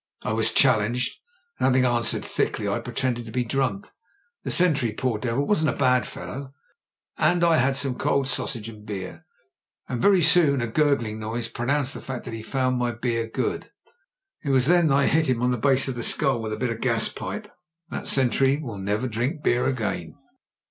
I was challenged, and, hav ing answered thickly, I pretended to be drunk. The sentry, poor devil, wasn't a bad fellow, and I had some cold sausage and beer. And very soon a gurgling noise pronounced the fact that he found my beer good. "It was then I hit him on the base of his skull with a bit of gas pipe. That sentry will never drink beer again."